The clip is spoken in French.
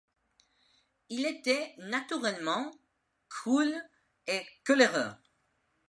Il était naturellement cruel et coléreux.